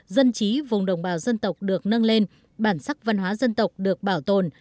dân trí vùng đồng bào dân tộc được nâng lên bản sắc văn hóa dân tộc được bảo tồn